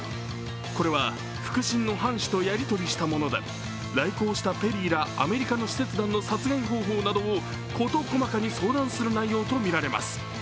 これは腹心の藩士とやりとりしたもので来航したペリーらアメリカの使節団の殺害方法などを事細かに相談する内容とみられます。